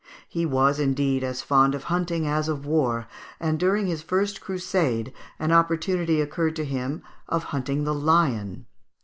He was, indeed, as fond of hunting as of war, and during his first crusade an opportunity occurred to him of hunting the lion.